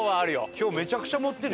今日めちゃくちゃ持ってる。